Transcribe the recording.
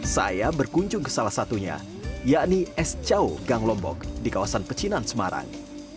saya berkunjung ke salah satunya yakni es cau gang lombok di kawasan pecinan semarang